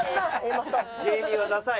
芸人はダサい。